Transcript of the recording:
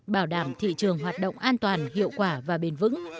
bảo đảm thị trường hoạt động an toàn hiệu quả và bền vững